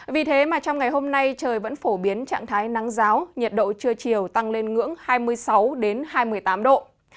vì thế mà trong ngày hôm nay trời vẫn phổ biến trạng thái nắng giáo nhiệt độ trưa chiều tăng lên ngưỡng hai mươi sáu hai mươi tám độ